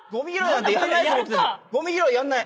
ゴミ拾いやんない。